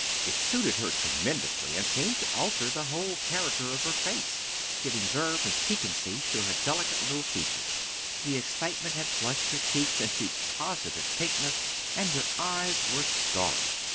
It suited her tremendously and seemed to alter the whole character of her face, giving verve and piquancy to her delicate little features. The excitement had flushed her cheeks into positive pinkness and her eyes were starry.